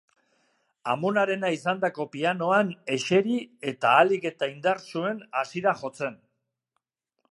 Amonarena izandako pianoan eseri eta ahalik eta indartsuen hasi da jotzen.